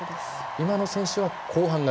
今の選手は後半型。